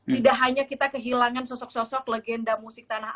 tidak hanya kita kehilangan sosok sosok legenda musik tanah air